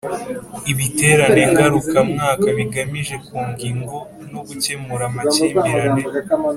ibiterane ngarukamwaka bigamije kunga ingo no gukemura amakimbirane